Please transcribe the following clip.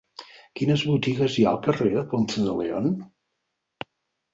Quines botigues hi ha al carrer de Ponce de León?